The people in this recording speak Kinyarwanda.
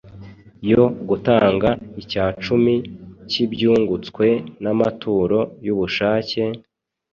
yo gutanga icyacumi cy’ibyungutswe n’amaturo y’ubushake,